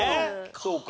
そうか。